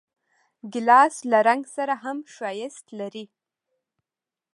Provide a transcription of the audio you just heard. ګیلاس له رنګ سره هم ښایست لري.